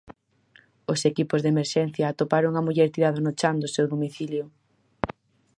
Os equipos de emerxencia atoparon a muller tirada no chan do seu domicilio.